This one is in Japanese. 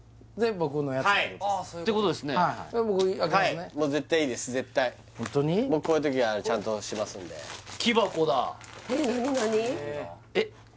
僕こういう時はちゃんとしますんでえっ何何？